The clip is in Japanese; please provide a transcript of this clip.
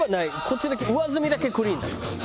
こっちだけ上澄みだけクリーンだから。